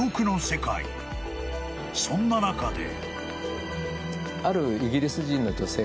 ［そんな中で］